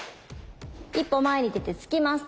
一歩前に出て突きます